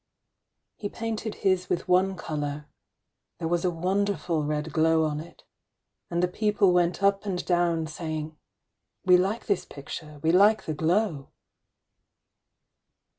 He painted his with one colour, there was a wonderful red glow on it; and the people went up and down, saying, ŌĆ£We like the picture, we like the glow.